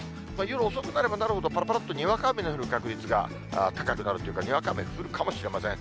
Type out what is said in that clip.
夜遅くなればなるほど、ぱらぱらっとにわか雨の降る確率がたかくなるというかにわか雨、降るかもしれません。